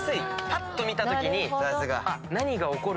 ぱっと見たときに。